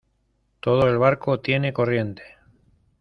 todo el barco tiene corriente.